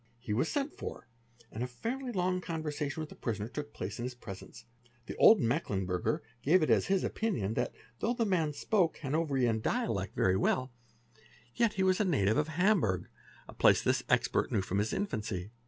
He was sent for, and a fairly long conversa 1 with the prisoner took place in his presence. The old Mecklenburger eit as his opinion that though the man spoke the Hanoverian dialect 308 PRACTICES OF CRIMINALS very well, yet he was a native of Hamburg, a place this expert knew from his infancy.